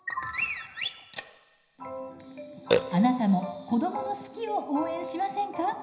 あなたも子どもの「好き」を応援しませんか？